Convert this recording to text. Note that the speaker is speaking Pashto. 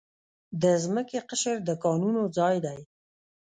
د ځمکې قشر د کانونو ځای دی.